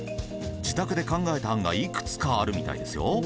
自宅で考えた案がいくつかあるみたいですよ。